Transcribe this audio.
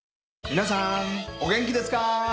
皆さんお元気ですか？